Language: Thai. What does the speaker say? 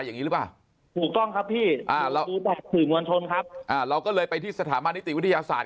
อย่างนี้หรือเปล่าถูกต้องครับพี่อ่าเราก็เลยไปที่สถาบันนิติวิทยาศาสตร์